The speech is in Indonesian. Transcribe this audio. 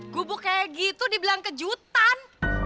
gubuk kayak gitu dibilang kejutan